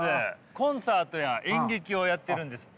コンサートや演劇をやってるんですって。